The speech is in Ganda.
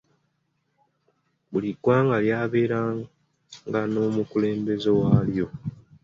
Buli ggwanga ly’abeeranga n’omukulembeze waalyo.